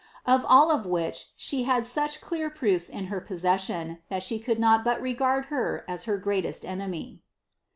— rf all of which she hail such clear proofs in her posaet ihai she coulJ not but rrsard her as her greaiesi enemy."